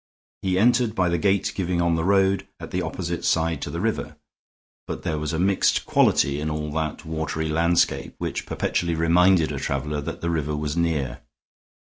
He entered by the gate giving on the road, at the opposite side to the river, but there was a mixed quality in all that watery landscape which perpetually reminded a traveler that the river was near.